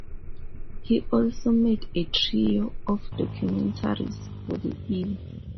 He also made a trio of documentaries for the E!